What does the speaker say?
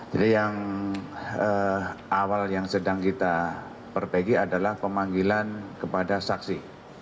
jadi yang awal yang sedang kita perbaiki adalah pemanggilan kepada saksi